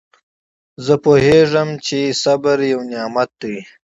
زه پوهېږم، چي زغم یو نعمت دئ.